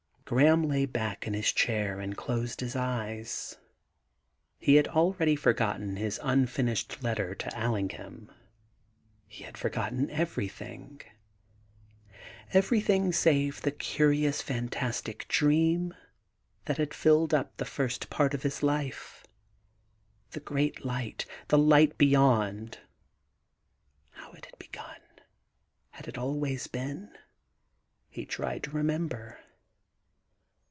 Graham lay back in his chair and closed his eyes. He had already forgotten his unfinished letter to Allingham; he had forgotten everything— everything save the curious fantastic dream tliat had filled up the first part of his life — the great light — ^the light beyond. ... How had it begun ?... Had it always been ?... He tried to remember.